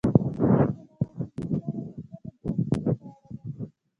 یو سل او اووه پنځوسمه پوښتنه د مکتوب په اړه ده.